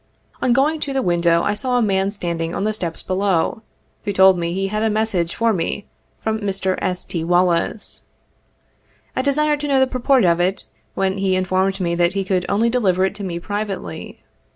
On going to the window, I saw a man standing on the steps below, who told me he had a message for me from Mr. S. T. Wallis. I desired to know the purport of it, when he informed me that he could only deliver it to me privately.